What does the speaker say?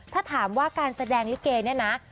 ถ้าถามว่าการแสดงลีเกนะน่ะ